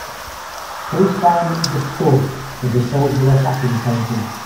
Please find me the Scud: The Disposable Assassin painting.